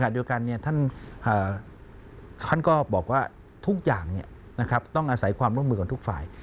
ด้วยกันเนี่ยท่านก็บอกว่าทุกอย่างเนี่ยต้องอาศัยความร่วมมือกับทุกฝ่าย